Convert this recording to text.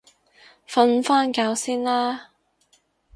瞓返覺先啦